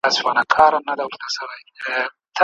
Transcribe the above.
ته پاچا هغه فقیر دی بې نښانه